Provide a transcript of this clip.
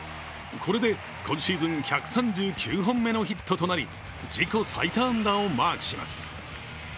これで、今シーズン１３９本目のヒットとなり自己最多安打をマークします。